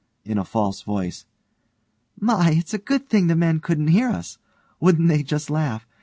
In a false voice_) My, it's a good thing the men couldn't hear us. Wouldn't they just laugh!